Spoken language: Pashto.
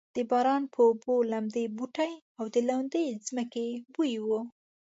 د باران په اوبو لمدې بوټې او د لوندې ځمکې بوی و.